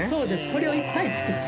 これをいっぱい作って。